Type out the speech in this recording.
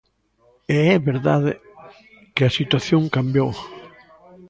E é verdade que a situación cambiou.